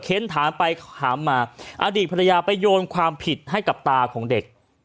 ถามไปถามมาอดีตภรรยาไปโยนความผิดให้กับตาของเด็ก